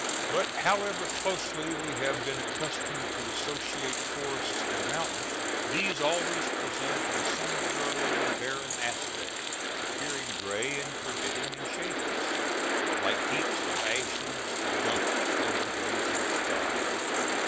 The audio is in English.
But however closely we have been accustomed to associate forests and mountains, these always present a singularly barren aspect, appearing gray and forbidding and shadeless, like heaps of ashes dumped from the blazing sky.